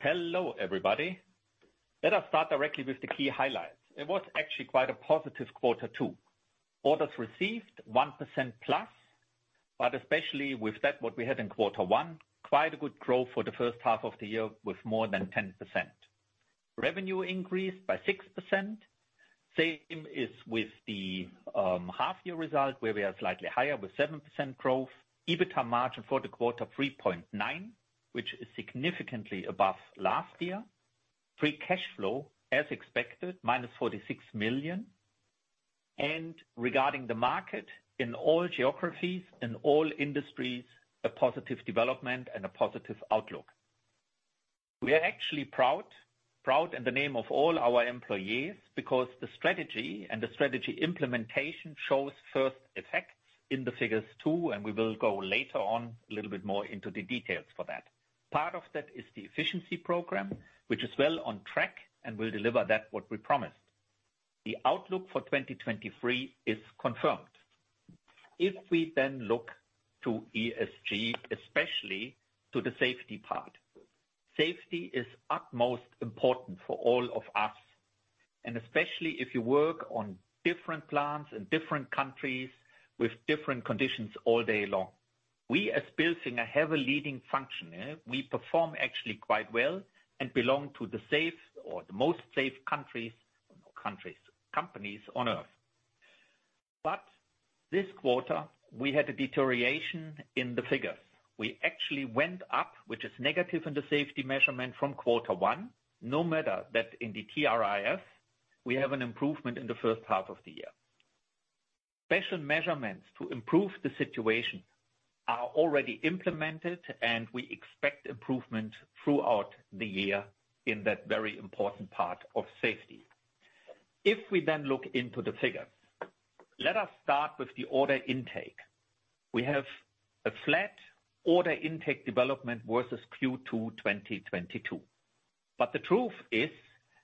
Hello, everybody. Let us start directly with the key highlights. It was actually quite a positive Q2. Orders received 1% plus, but especially with that, what we had in Q1, quite a good growth for the first half of the year with more than 10%. Revenue increased by 6%. Same is with the half year result, where we are slightly higher with 7% growth. EBITDA margin for the quarter, 3.9%, which is significantly above last year. Free cash flow, as expected, -46 million. Regarding the market, in all geographies and all industries, a positive development and a positive outlook. We are actually proud, proud in the name of all our employees, because the strategy and the strategy implementation shows first effects in the figures, too. We will go later on a little bit more into the details for that. Part of that is the efficiency program, which is well on track and will deliver that what we promised. The outlook for 2023 is confirmed. If we then look to ESG, especially to the safety part, safety is utmost important for all of us, and especially if you work on different plants in different countries with different conditions all day long. We, as Bilfinger, have a leading function. We perform actually quite well and belong to the safe or the most safe companies on Earth. This quarter, we had a deterioration in the figures. We actually went up, which is negative in the safety measurement from Q1. No matter that in the TRIF, we have an improvement in the first half of the year. Special measurements to improve the situation are already implemented, and we expect improvement throughout the year in that very important part of safety. If we then look into the figures, let us start with the order intake. We have a flat order intake development versus Q2 2022, but the truth is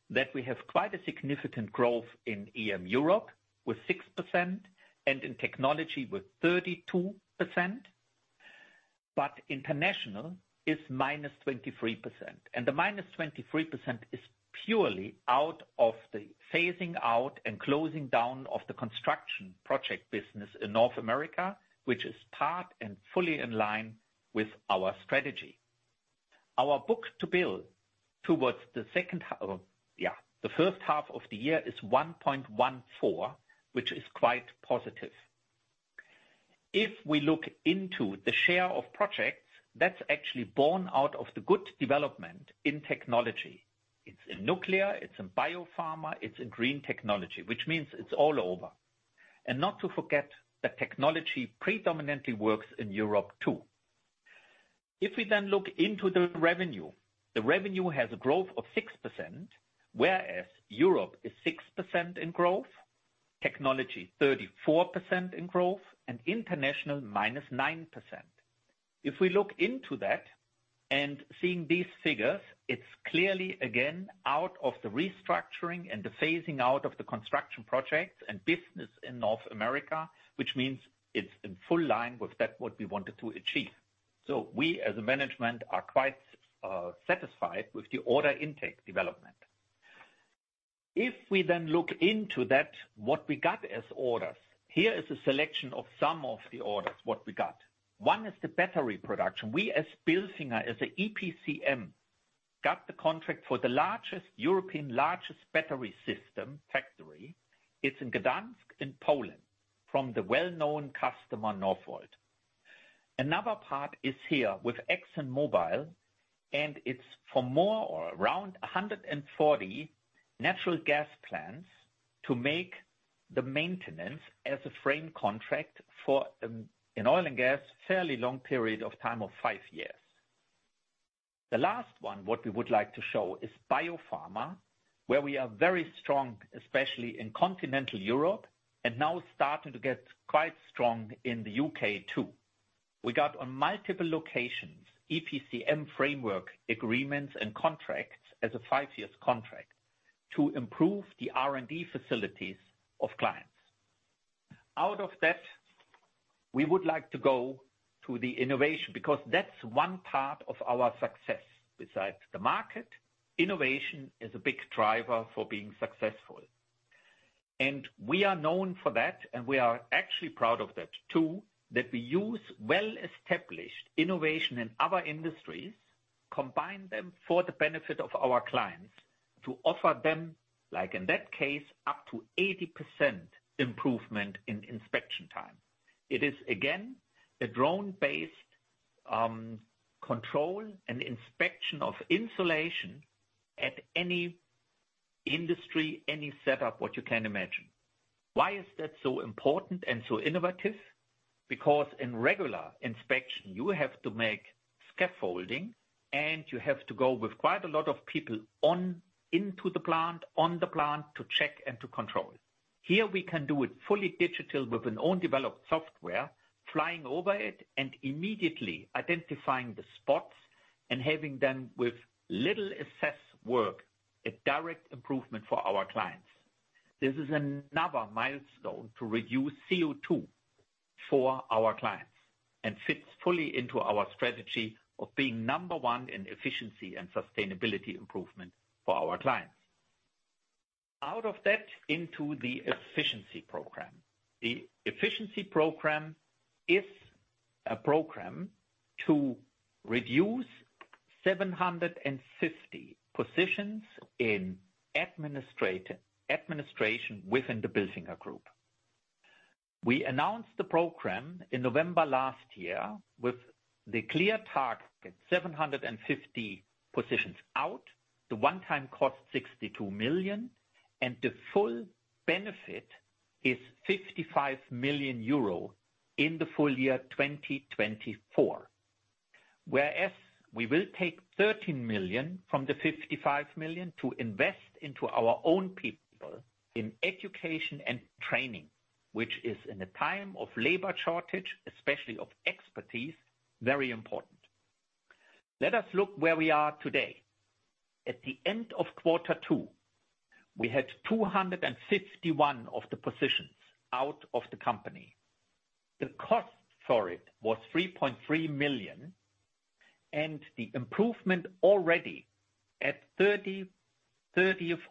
that we have quite a significant growth in E&M Europe with 6% and in technology with 32%. International is -23%, and the -23% is purely out of the phasing out and closing down of the construction project business in North America, which is part and fully in line with our strategy. Our book-to-bill towards the second half, yeah, the first half of the year is 1.14%, which is quite positive. If we look into the share of projects, that's actually born out of the good development in technology. It's in nuclear, it's in biopharma, it's in green technology, which means it's all over. Not to forget that technology predominantly works in Europe, too. If we then look into the revenue, the revenue has a growth of 6%, whereas Europe is 6% in growth, technology, 34% in growth, and international, -9%. If we look into that and seeing these figures, it's clearly, again, out of the restructuring and the phasing out of the construction projects and business in North America, which means it's in full line with that, what we wanted to achieve. We, as a management, are quite satisfied with the order intake development. We then look into that, what we got as orders, here is a selection of some of the orders, what we got. One is the battery production. We, as Bilfinger, as an EPCM, got the contract for the largest European, largest battery system factory. It's in Gdansk, in Poland, from the well-known customer, Northvolt. Another part is here with ExxonMobil, and it's for more or around 140 natural gas plants to make the maintenance as a frame contract for, in oil and gas, fairly long period of time of 5 years. The last one, what we would like to show, is biopharma, where we are very strong, especially in continental Europe, and now starting to get quite strong in the U.K., too. We got on multiple locations, EPCM framework agreements and contracts as a 5-year contract to improve the R&D facilities of clients. Out of that, we would like to go to the innovation, because that's one part of our success. Besides the market, innovation is a big driver for being successful, and we are known for that, and we are actually proud of that, too. That we use well-established innovation in other industries, combine them for the benefit of our clients to offer them, like in that case, up to 80% improvement in inspection time. It is, again, a drone-based, control and inspection of insulation at any industry, any setup, what you can imagine. Why is that so important and so innovative? Because in regular inspection, you have to make scaffolding, and you have to go with quite a lot of people into the plant, on the plant, to check and to control. Here we can do it fully digital with an own developed software, flying over it and immediately identifying the spots and having them with little assess work, a direct improvement for our clients. This is another milestone to reduce CO2 for our clients, and fits fully into our strategy of being number one in efficiency and sustainability improvement for our clients. Out of that, into the efficiency program. The efficiency program is a program to reduce 750 positions in administration within the Bilfinger group. We announced the program in November last year with the clear target, 750 positions out, the one-time cost, 62 million, and the full benefit is 55 million euro in the full year, 2024. We will take 13 million from the 55 million to invest into our own people in education and training, which is in a time of labor shortage, especially of expertise, very important. Let us look where we are today. At the end of Q2, we had 251 of the positions out of the company. The cost for it was 3.3 million, and the improvement already at 30th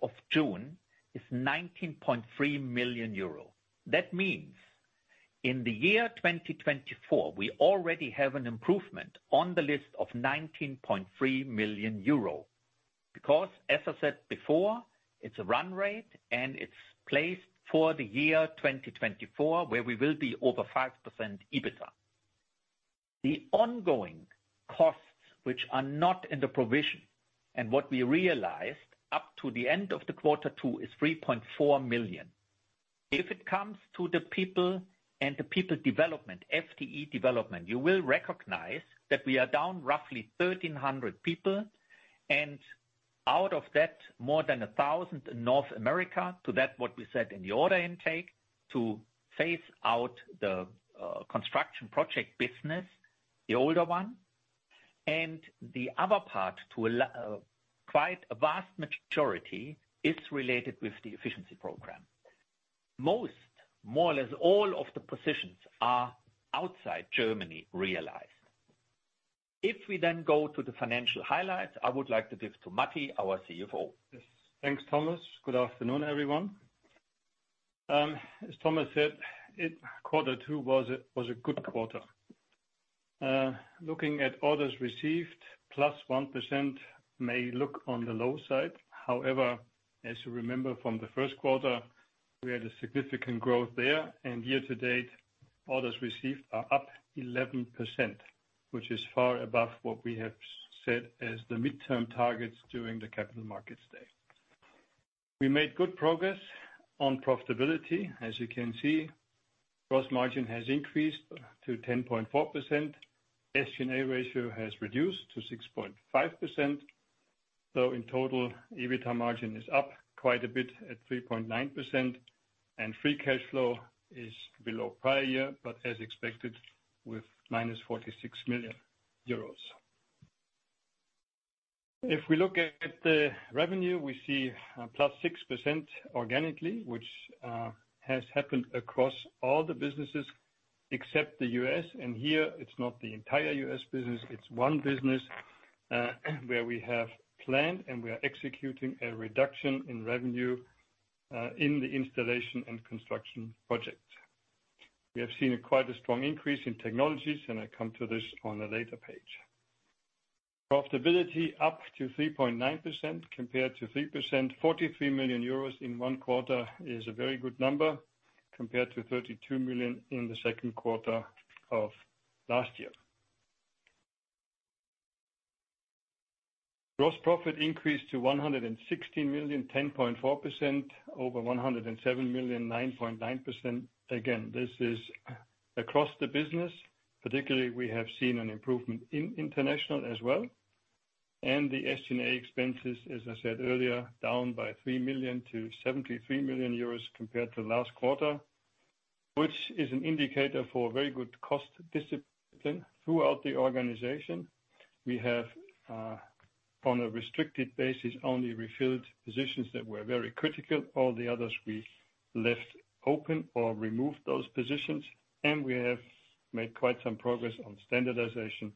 of June, is 19.3 million euro. Means in the year 2024, we already have an improvement on the list of 19.3 million euro. Because, as I said before, it's a run rate, and it's placed for the year 2024, where we will be over 5% EBITDA. The ongoing costs, which are not in the provision, and what we realized up to the end of the Q2, is 3.4 million. If it comes to the people and the people development, FTE development, you will recognize that we are down roughly 1,300 people, and out of that, more than 1,000 in North America. To that, what we said in the order intake, to phase out the construction project business, the older one, and the other part to a quite a vast majority, is related with the efficiency program. Most, more or less, all of the positions are outside Germany, realized. If we go to the financial highlights, I would like to give to Matti, our CFO. Yes. Thanks, Thomas. Good afternoon, everyone. As Thomas said, quarter two was a good quarter. Looking at orders received, +1% may look on the low side. However, as you remember from the first quarter, we had a significant growth there, and year to date, orders received are up 11%, which is far above what we have said as the midterm targets during the Capital Markets Day. We made good progress on profitability. As you can see, gross margin has increased to 10.4%. SG&A ratio has reduced to 6.5%, so in total, EBITDA margin is up quite a bit at 3.9%, and free cash flow is below prior year, but as expected, with -46 million euros. If we look at the revenue, we see a plus 6% organically, which has happened across all the businesses except the U.S.. Here, it's not the entire U.S. business, it's one business, where we have planned, and we are executing a reduction in revenue, in the installation and construction project. We have seen a quite a strong increase in technologies, and I come to this on a later page. Profitability up to 3.9% compared to 3%. 43 million euros in one quarter is a very good number, compared to 32 million in the Q2 of last year. Gross Profit increased to 116 million, 10.4%, over 107 million, 9.9%. Again, this is across the business. Particularly, we have seen an improvement in international as well. The SG&A expenses, as I said earlier, down by 3 million to 73 million euros compared to last quarter, which is an indicator for very good cost discipline throughout the organization. We have, on a restricted basis, only refilled positions that were very critical. All the others, we left open or removed those positions, and we have made quite some progress on standardization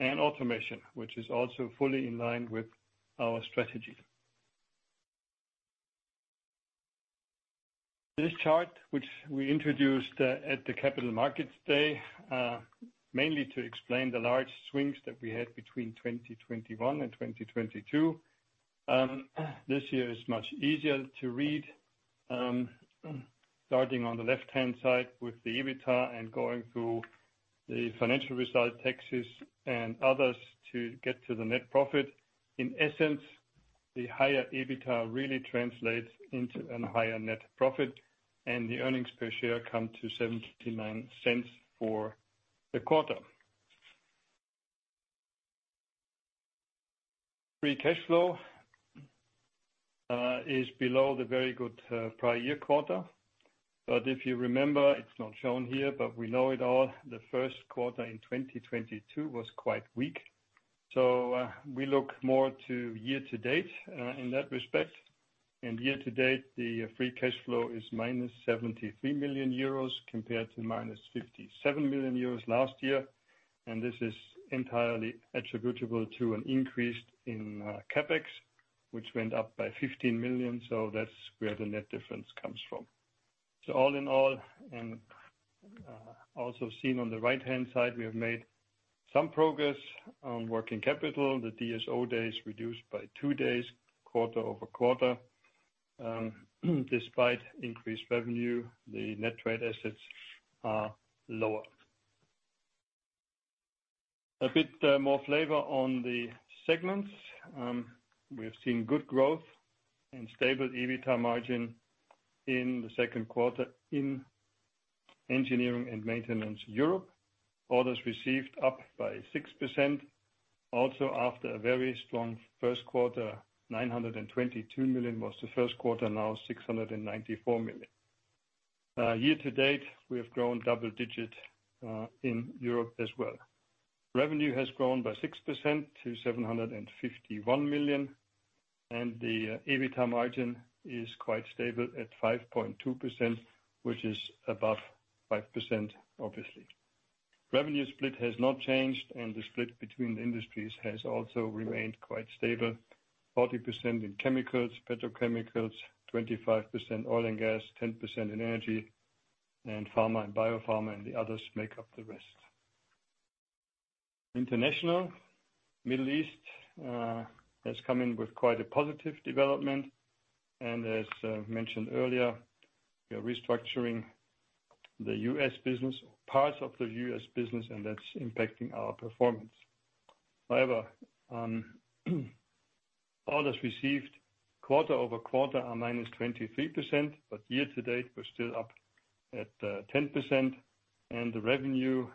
and automation, which is also fully in line with our strategy. This chart, which we introduced at the Capital Markets Day, mainly to explain the large swings that we had between 2021 and 2022. This year is much easier to read. Starting on the left-hand side with the EBITDA and going through the financial result, taxes and others to get to the net profit. In essence, the higher EBITDA really translates into an higher net profit. The earnings per share come to 0.79 for the quarter. Free cash flow is below the very good prior year quarter. If you remember, it's not shown here, but we know it all. The first quarter in 2022 was quite weak. We look more to year-to-date in that respect. Year-to-date, the free cash flow is -73 million euros, compared to -57 million euros last year. This is entirely attributable to an increase in CapEx, which went up by 15 million. That's where the net difference comes from. All in all, and also seen on the right-hand side, we have made some progress on working capital. The DSO days reduced by two days, quarter-over-quarter. Despite increased revenue, the net trade assets are lower. A bit, more flavor on the segments. We have seen good growth and stable EBITDA margin in the second quarter in Engineering & Maintenance Europe. Orders received up by 6%, also after a very strong first quarter, 922 million was the first quarter, now 694 million. Year to date, we have grown double-digit in Europe as well. Revenue has grown by 6% to 751 million, and the EBITDA margin is quite stable at 5.2%, which is above 5%, obviously. Revenue split has not changed, and the split between industries has also remained quite stable. 40% in chemicals, petrochemicals, 25% oil and gas, 10% in energy, and pharma and biopharma, and the others make up the rest. International, Middle East, has come in with quite a positive development, and as mentioned earlier, we are restructuring the U.S. business, parts of the U.S. business, and that's impacting our performance. However, orders received quarter-over-quarter are -23%, but year-to-date, we're still up at 10%, and the revenue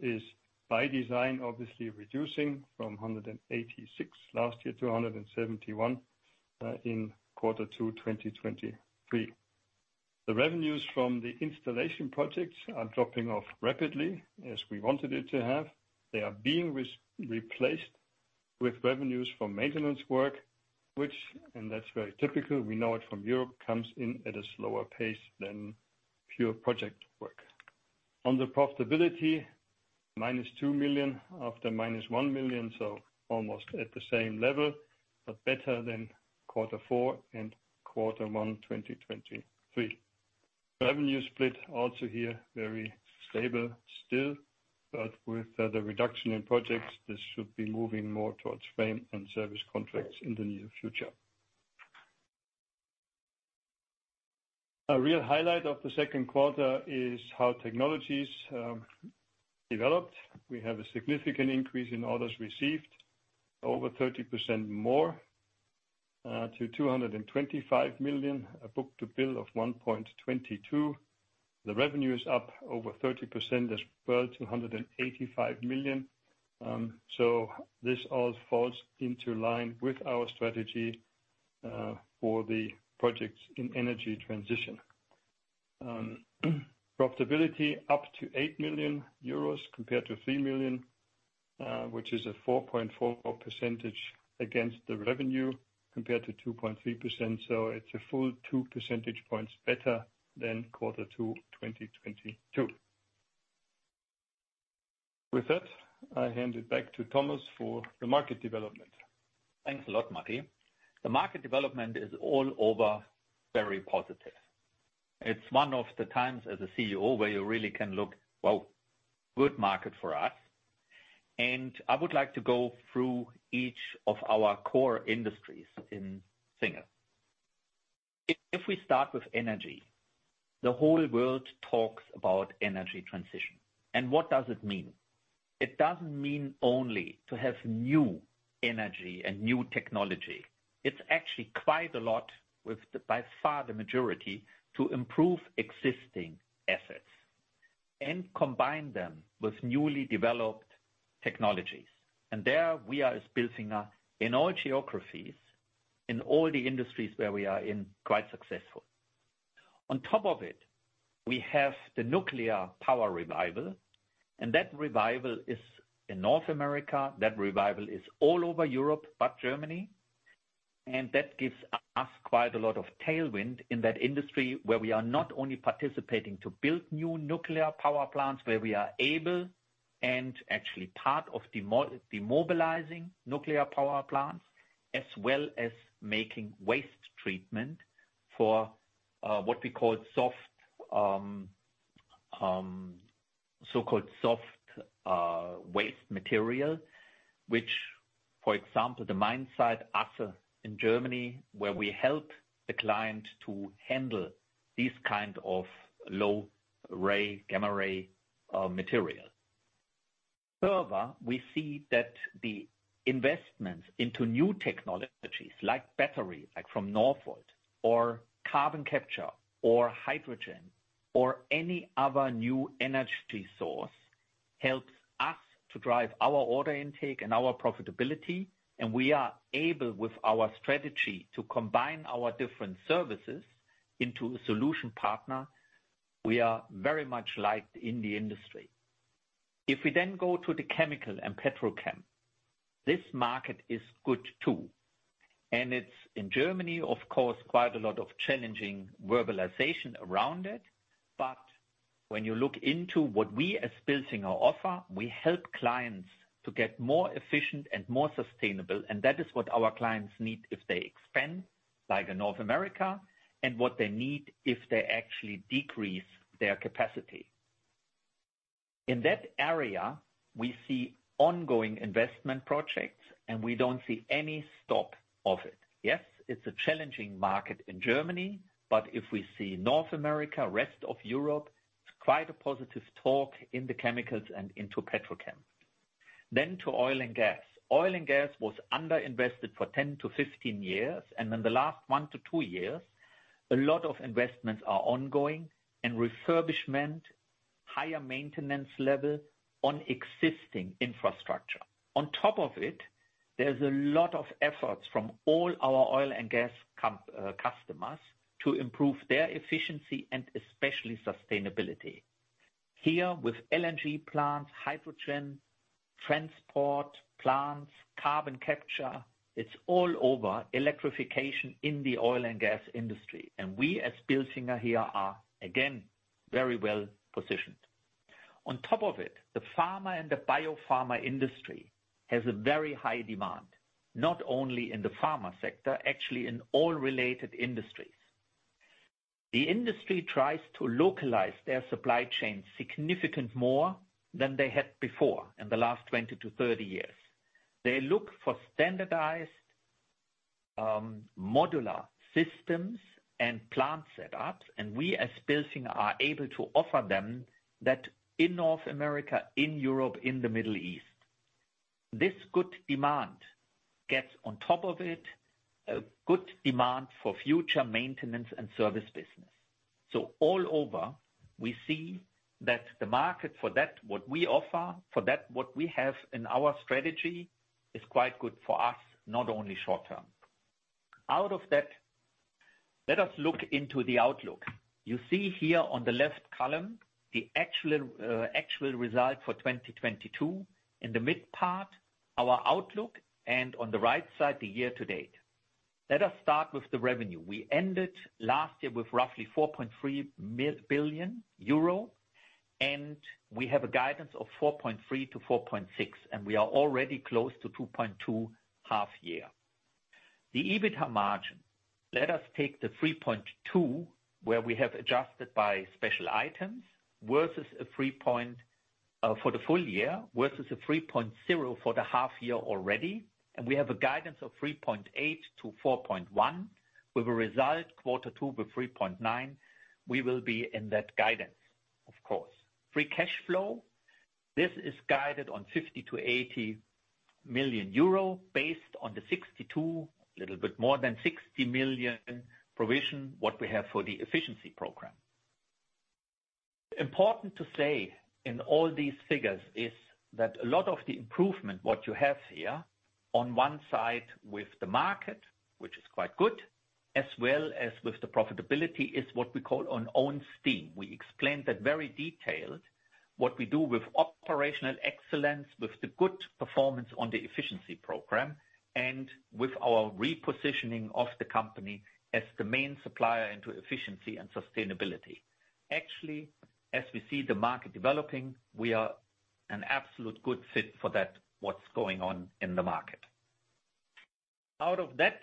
is, by design, obviously reducing from 186 last year to 171 in Q2 2023. The revenues from the installation projects are dropping off rapidly, as we wanted it to have. They are being replaced with revenues from maintenance work, which, and that's very typical, we know it from Europe, comes in at a slower pace than pure project work. On the profitability, -2 million after -1 million, so almost at the same level, but better than Q4 and Q1, 2023. Revenue split also here, very stable still, but with the reduction in projects, this should be moving more towards frame and service contracts in the near future. A real highlight of the second quarter is how technologies developed. We have a significant increase in orders received, over 30% more, to 225 million, a book-to-bill of 1.22%. The revenue is up over 30% as well, to 185 million. This all falls into line with our strategy for the projects in energy transition. Profitability up to 8 million euros compared to 3 million, which is a 4.44% against the revenue, compared to 2.3%. It's a full two percentage points better than Q2 2022. With that, I hand it back to Thomas for the market development. Thanks a lot, Matti. The market development is all over very positive. It's one of the times as a CEO where you really can look, wow, good market for us. I would like to go through each of our core industries in Bilfinger. If we start with energy, the whole world talks about energy transition, what does it mean? It doesn't mean only to have new energy and new technology. It's actually quite a lot with the, by far, the majority to improve existing assets and combine them with newly developed technologies. There we are, as Bilfinger, in all geographies, in all the industries where we are in, quite successful. On top of it, we have the nuclear power revival, that revival is in North America. That revival is all over Europe, but Germany, that gives us quite a lot of tailwind in that industry, where we are not only participating to build new nuclear power plants, where we are able, and actually part of demobilizing nuclear power plants, as well as making waste treatment for what we call soft, so-called soft, waste material. Which, for example, the mine site, Asse, in Germany, where we help the client to handle these kind of low-rad, gamma ray material. Further, we see that the investments into new technologies, like battery, like from Northvolt, or carbon capture, or hydrogen, or any other new energy source, helps us to drive our order intake and our profitability, and we are able, with our strategy, to combine our different services into a solution partner. We are very much liked in the industry. If we go to the chemical and petrochem, this market is good, too, and it's in Germany, of course, quite a lot of challenging verbalization around it. When you look into what we as Bilfinger offer, we help clients to get more efficient and more sustainable, and that is what our clients need if they expand, like in North America, and what they need if they actually decrease their capacity. In that area, we see ongoing investment projects, and we don't see any stop of it. Yes, it's a challenging market in Germany, but if we see North America, rest of Europe, it's quite a positive talk in the chemicals and into petrochem. To oil and gas. Oil and gas was underinvested for 10 years-15 years, and in the last 1 year-2 years, a lot of investments are ongoing and refurbishment, higher maintenance level on existing infrastructure. On top of it, there's a lot of efforts from all our oil and gas comp customers to improve their efficiency and especially sustainability. Here, with LNG plants, hydrogen transport plants, carbon capture, it's all over electrification in the oil and gas industry, and we, as Bilfinger, here are, again, very well positioned. On top of it, the pharma and the biopharma industry has a very high demand, not only in the pharma sector, actually in all related industries. The industry tries to localize their supply chain significant more than they had before in the last 20 years-30 years. They look for standardized, modular systems and plant setup. We, as Bilfinger, are able to offer them that in North America, in Europe, in the Middle East. This good demand gets on top of it, a good demand for future maintenance and service business. All over, we see that the market for that, what we offer, for that what we have in our strategy, is quite good for us, not only short term. Out of that, let us look into the outlook. You see here on the left column, the actual, actual result for 2022. In the mid part, our outlook, and on the right side, the year to date. Let us start with the revenue. We ended last year with roughly 4.3 billion euro, and we have a guidance of 4.3 billion-4.6 billion, and we are already close to 2.2 billion half year. The EBITDA margin. Let us take the 3.2%, where we have adjusted by special items, versus a 3.0% for the half year already. We have a guidance of 3.8%-4.1%, with a result Q2 with 3.9%. We will be in that guidance, of course. Free cash flow, this is guided on 50 million-80 million euro, based on the 62 million, little bit more than 60 million provision, what we have for the efficiency program. Important to say in all these figures is that a lot of the improvement, what you have here, on one side with the market, which is quite good, as well as with the profitability, is what we call on own steam. We explained that very detailed, what we do with operational excellence, with the good performance on the efficiency program and with our repositioning of the company as the main supplier into efficiency and sustainability. Actually, as we see the market developing, we are an absolute good fit for that, what's going on in the market. Out of that,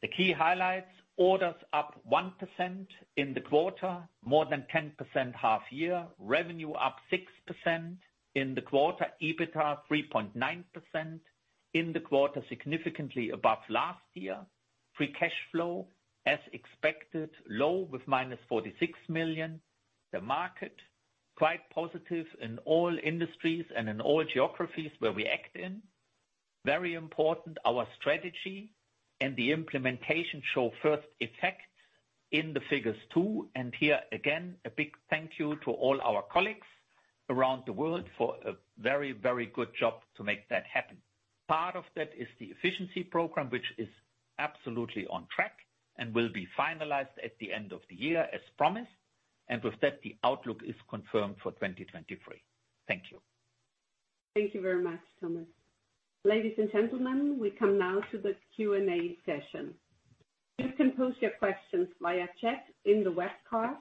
the key highlights: orders up 1% in the quarter, more than 10% half year. Revenue up 6% in the quarter. EBITDA, 3.9% in the quarter, significantly above last year. Free cash flow, as expected, low with -46 million. The market, quite positive in all industries and in all geographies where we act in. Very important, our strategy and the implementation show first effect in the figures, too. Here, again, a big thank you to all our colleagues around the world for a very, very good job to make that happen. Part of that is the efficiency program, which is absolutely on track and will be finalized at the end of the year, as promised. With that, the outlook is confirmed for 2023. Thank you. Thank you very much, Thomas. Ladies and gentlemen, we come now to the Q&A session. You can post your questions via chat in the webcast,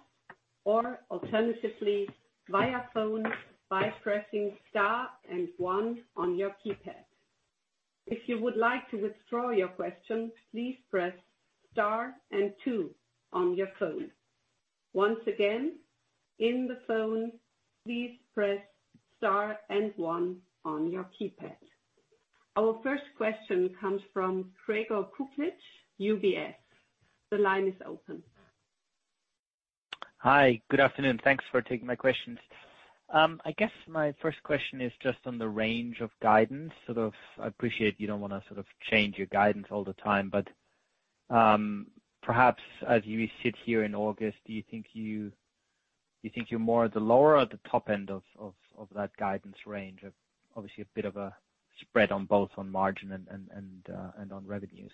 or alternatively, via phone by pressing star and one on your keypad. If you would like to withdraw your question, please press star and two on your phone. Once again, in the phone, please press star and one on your keypad. Our first question comes from Gregor Kuglitsch, UBS. The line is open. Hi, good afternoon. Thanks for taking my questions. I guess my first question is just on the range of guidance. Sort of, I appreciate you don't want to sort of change your guidance all the time, but perhaps as you sit here in August, do you think you're more at the lower or the top end of, of, of that guidance range of obviously a bit of a spread on both on margin and, and, and, and on revenues?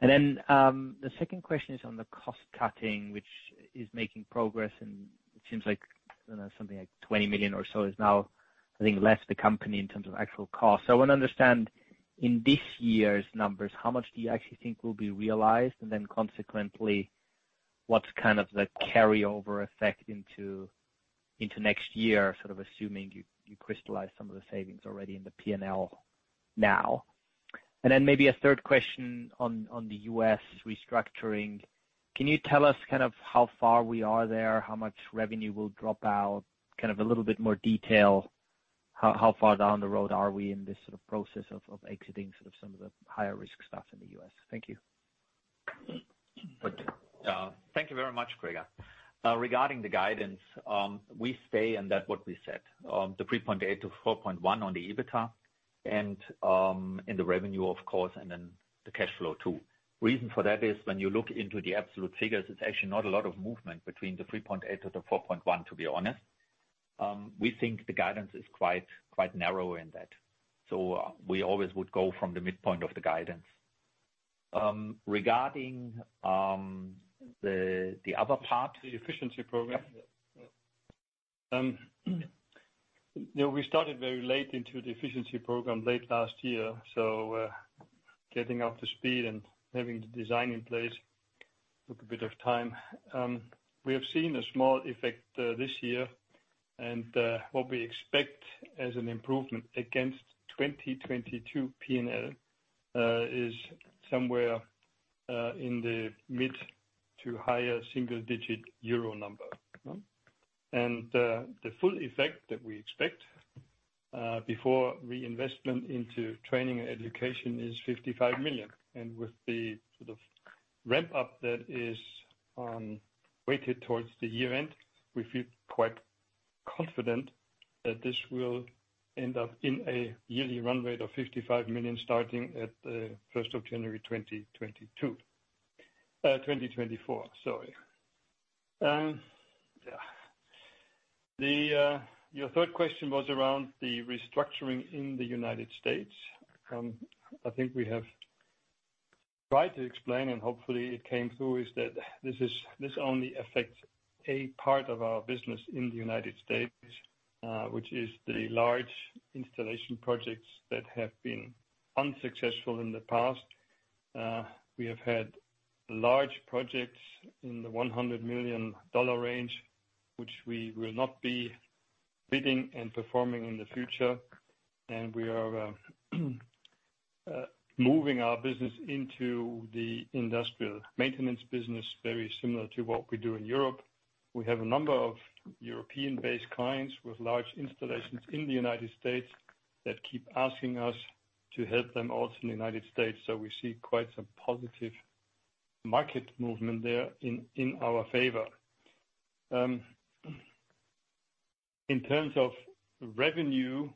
And then, the second question is on the cost cutting, which is making progress, and it seems like, I don't know, something like 20 million or so is now, I think, left the company in terms of actual cost. So I wanna understand, in this year's numbers, how much do you actually think will be realized? Consequently, what's kind of the carryover effect into next year, sort of assuming you crystallize some of the savings already in the P&L now? Maybe a third question on the US restructuring. Can you tell us kind of how far we are there, how much revenue will drop out? Kind of a little bit more detail, how far down the road are we in this sort of process of exiting sort of some of the higher risk stuff in the U.S.? Thank you. Thank you very much, Gregor. Regarding the guidance, we stay on that what we said. The 3.8%-4.1% on the EBITDA, and, in the revenue, of course, and then the cash flow, too. Reason for that is when you look into the absolute figures, it's actually not a lot of movement between the 3.8% and the 4.1%, to be honest. We think the guidance is quite, quite narrow in that, so we always would go from the midpoint of the guidance. Regarding the, the other part- The efficiency program? Yep. You know, we started very late into the efficiency program, late last year, so getting up to speed and having the design in place took a bit of time. We have seen a small effect this year, what we expect as an improvement against 2022 P&L is somewhere in the mid to higher single digit euro number. The full effect that we expect before reinvestment into training and education is 55 million. With the sort of ramp-up that is weighted towards the year end, we feel quite confident that this will end up in a yearly run rate of 55 million, starting at 1st of January, 2022, 2024, sorry. Yeah. The, your third question was around the restructuring in the United States. I think we have tried to explain, and hopefully it came through, is that this only affects a part of our business in the United States, which is the large installation projects that have been unsuccessful in the past. We have had large projects in the $100 million range, which we will not be bidding and performing in the future, and we are moving our business into the industrial maintenance business, very similar to what we do in Europe. We have a number of European-based clients with large installations in the United States that keep asking us to help them also in the United States, so we see quite some positive market movement there in, in our favor. In terms of revenue,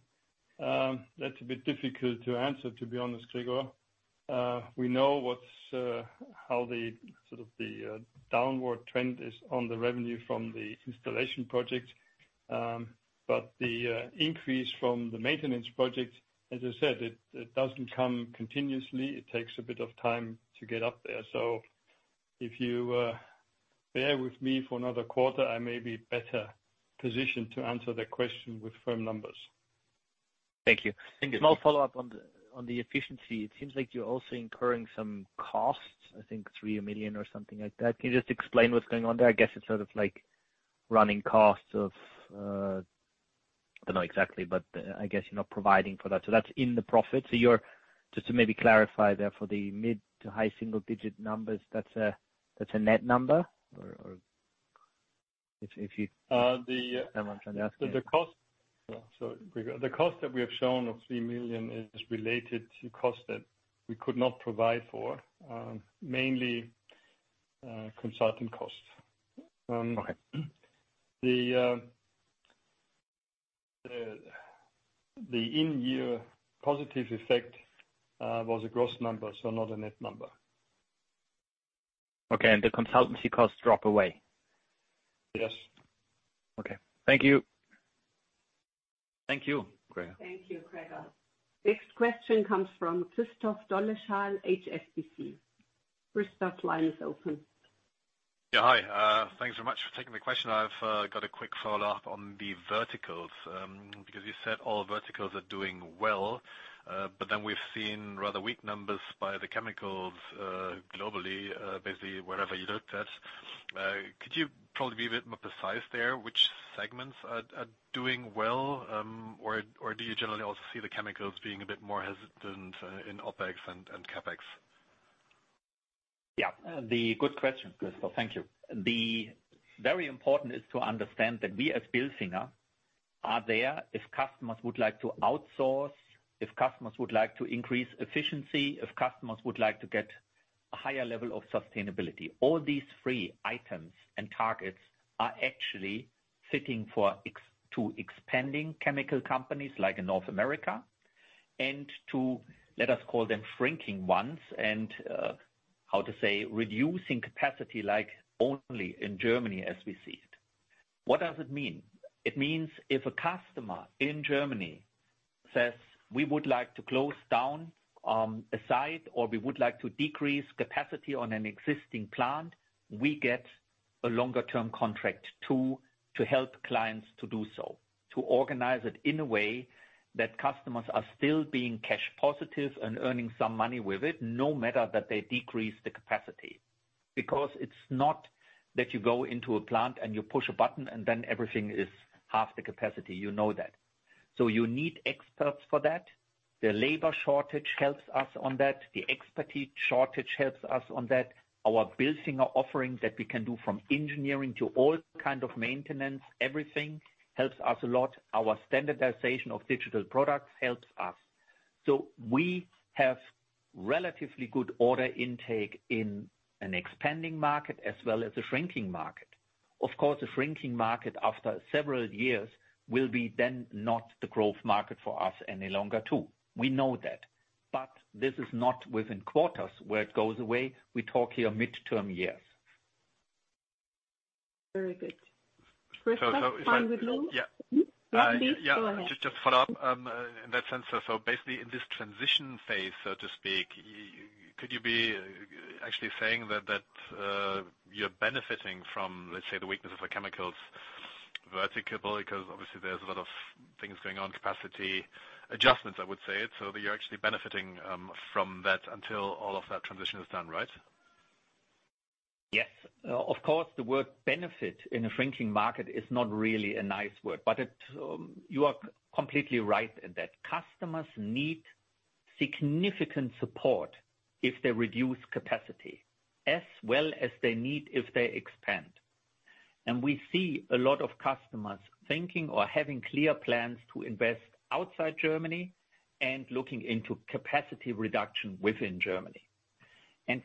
that's a bit difficult to answer, to be honest, Gregor. we know what's how the, sort of the, downward trend is on the revenue from the installation project, but the increase from the maintenance project, as I said, it, it doesn't come continuously. It takes a bit of time to get up there. If you bear with me for another quarter, I may be better positioned to answer that question with firm numbers. Thank you. Thank you. A small follow-up on the, on the efficiency. It seems like you're also incurring some costs, I think 3 million or something like that. Can you just explain what's going on there? I guess it's sort of like running costs of, I don't know exactly, but, I guess you're not providing for that. That's in the profit. Just to maybe clarify there for the mid to high single digit numbers, that's a, that's a net number? Or if you. Uh, the- I'm trying to ask you. The cost, the cost that we have shown of 3 million is related to costs that we could not provide for, mainly, consulting costs. Okay. The, the, the in-year positive effect, was a gross number, so not a net number. Okay, the consultancy costs drop away? Yes. Okay. Thank you. Thank you, Gregor. Thank you, Gregor. Next question comes from Christoph Dolleschal, HSBC. Christoph, line is open. Yeah, hi. Thanks very much for taking the question. I've got a quick follow-up on the verticals. Because you said all verticals are doing well, but then we've seen rather weak numbers by the chemicals, globally, basically wherever you looked at. Could you probably be a bit more precise there, which segments are, are doing well, or, or do you generally also see the chemicals being a bit more hesitant, in OpEx and, and CapEx? Yeah, good question, Christoph. Thank you. The very important is to understand that we, as Bilfinger, are there if customers would like to outsource, if customers would like to increase efficiency, if customers would like to get a higher level of sustainability. All these three items and targets are actually fitting to expanding chemical companies like in North America, and to, let us call them, shrinking ones and how to say, reducing capacity, like only in Germany as we see it. What does it mean? It means if a customer in Germany says, "We would like to close down a site, or we would like to decrease capacity on an existing plant," we get a longer-term contract to help clients to do so. To organize it in a way that customers are still being cash positive and earning some money with it, no matter that they decrease the capacity. It's not that you go into a plant and you push a button, and then everything is half the capacity, you know that. You need experts for that. The labor shortage helps us on that. The expertise shortage helps us on that. Our building, our offering that we can do from engineering to all kind of maintenance, everything, helps us a lot. Our standardization of digital products helps us. We have relatively good order intake in an expanding market as well as a shrinking market. Of course, a shrinking market, after several years, will be then not the growth market for us any longer, too. We know that, but this is not within quarters where it goes away. We talk here midterm years. Very good. Christoph, fine with you? Yeah. Mm-hmm. Yeah. Go ahead. Just, just follow up, in that sense. Basically, in this transition phase, so to speak, could you be actually saying that, that, you're benefiting from, let's say, the weakness of the chemicals vertical? Because obviously there's a lot of things going on, capacity adjustments, I would say. You're actually benefiting, from that until all of that transition is done, right? Yes. Of course, the word benefit in a shrinking market is not really a nice word, but it. You are completely right in that. Customers need significant support if they reduce capacity, as well as they need if they expand. We see a lot of customers thinking or having clear plans to invest outside Germany and looking into capacity reduction within Germany.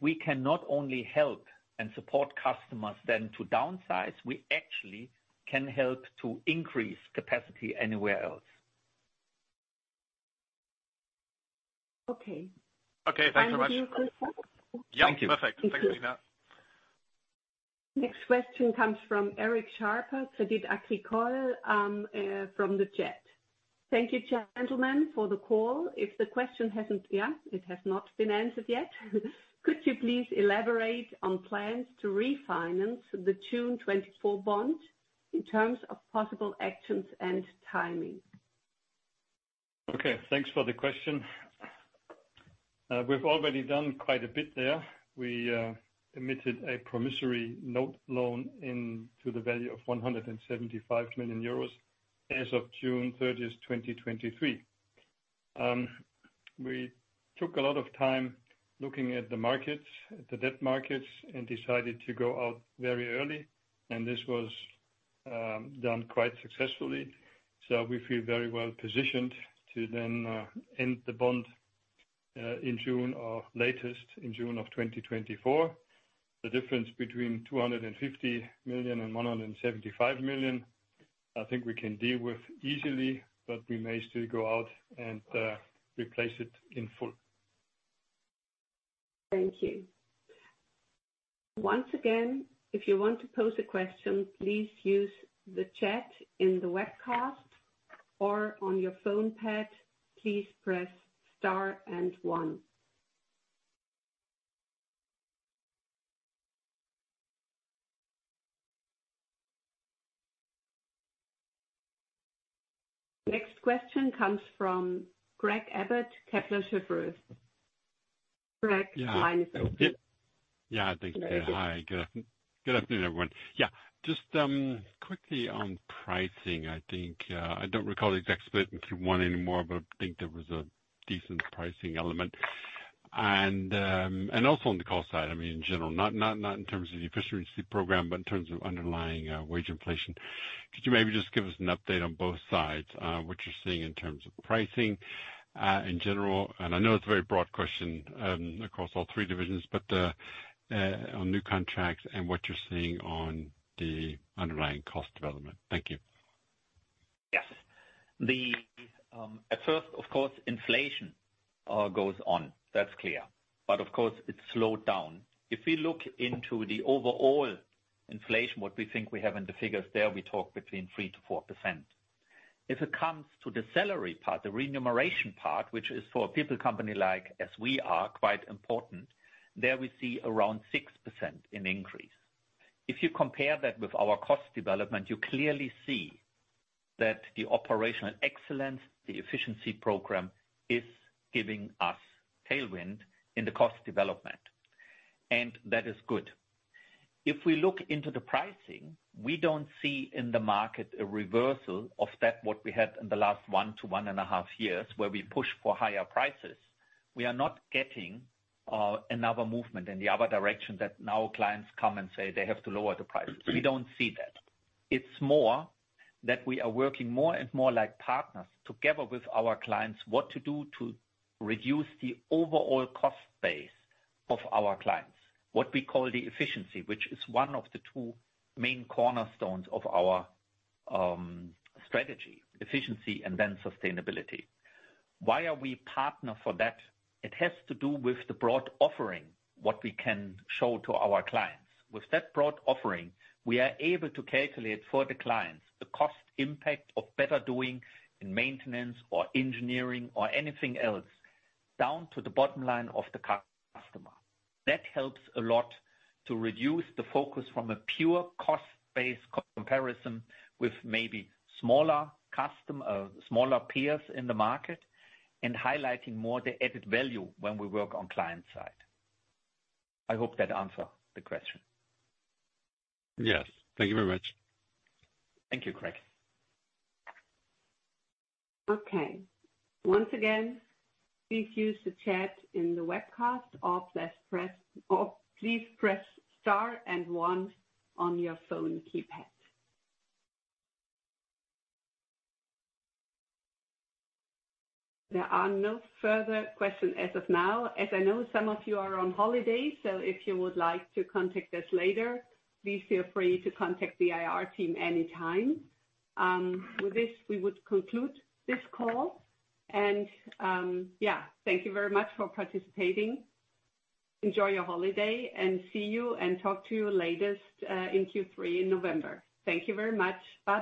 We can not only help and support customers then to downsize, we actually can help to increase capacity anywhere else. Okay. Okay, thanks very much. Thank you, Christoph. Yeah, perfect. Thank you, Nina. Next question comes from Erik Schaper, Credit Agricole, from the chat. Thank you, gentlemen, for the call. It has not been answered yet. Could you please elaborate on plans to refinance the June 2024 bond in terms of possible actions and timing? Okay, thanks for the question. We've already done quite a bit there. We emitted a promissory note loan into the value of 175 million euros as of June 30, 2023. We took a lot of time looking at the markets, the debt markets, and decided to go out very early, and this was done quite successfully. We feel very well positioned to then end the bond in June or latest in June 2024. The difference between 250 million and 175 million, I think we can deal with easily, but we may still go out and replace it in full. Thank you. Once again, if you want to pose a question, please use the chat in the webcast or on your phone pad, please press star and one. Next question comes from Craig Abbott, Kepler Cheuvreux. Craig, the line is open. Yeah. Thank you. Hi. Good afternoon, everyone. Yeah, just quickly on pricing, I think, I don't recall the exact split if you want any more, but I think there was a decent pricing element. Also on the cost side, I mean, in general, not, not, not in terms of the efficiency program, but in terms of underlying wage inflation. Could you maybe just give us an update on both sides, what you're seeing in terms of pricing, in general? I know it's a very broad question, across all three divisions, but on new contracts and what you're seeing on the underlying cost development. Thank you. Yes. The, at first, of course, inflation goes on. That's clear. Of course, it's slowed down. If we look into the overall inflation, what we think we have in the figures there, we talk between 3%-4%. If it comes to the salary part, the remuneration part, which is for a people company like as we are, quite important, there we see around 6% in increase. If you compare that with our cost development, you clearly see that the operational excellence, the efficiency program, is giving us tailwind in the cost development, and that is good. If we look into the pricing, we don't see in the market a reversal of that, what we had in the last 1 years-1.5 years, where we pushed for higher prices. We are not getting, another movement in the other direction, that now clients come and say they have to lower the prices. We don't see that. It's more that we are working more and more like partners together with our clients, what to do to reduce the overall cost base of our clients. What we call the efficiency, which is one of the two main cornerstones of our strategy: efficiency and then sustainability. Why are we partner for that? It has to do with the broad offering, what we can show to our clients. With that broad offering, we are able to calculate for the clients the cost impact of better doing in maintenance or engineering or anything else, down to the bottom line of the customer. That helps a lot to reduce the focus from a pure cost-based comparison with maybe smaller custom, smaller peers in the market, and highlighting more the added value when we work on client side. I hope that answer the question. Yes. Thank you very much. Thank you, Craig. Okay. Once again, please use the chat in the webcast, or please press star and one on your phone keypad. There are no further questions as of now. As I know, some of you are on holiday, so if you would like to contact us later, please feel free to contact the IR team anytime. With this, we would conclude this call and, yeah, thank you very much for participating. Enjoy your holiday and see you and talk to you latest in Q3 in November. Thank you very much. Bye.